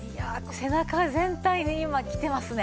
背中全体に今きてますね。